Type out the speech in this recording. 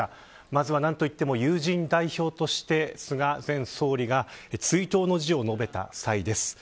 まずは何と言っても友人代表として菅前総理が追悼の辞を述べた際です。